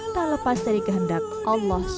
tak lepas dari kehendak allah swt